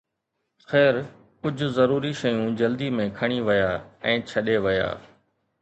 خير، ڪجهه ضروري شيون جلدي ۾ کڻي ويا ۽ ڇڏي ويا.